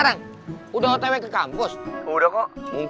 yang ada lo patah patah tulang